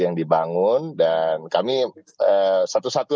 yang dibangun dan kami satu satu